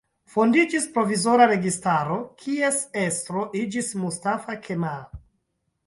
Fondiĝis provizora registaro, kies estro iĝis Mustafa Kemal.